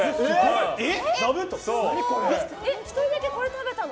１人だけこれ食べたの？